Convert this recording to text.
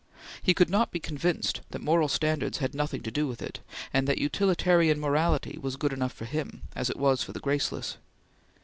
He could not be convinced that moral standards had nothing to do with it, and that utilitarian morality was good enough for him, as it was for the graceless.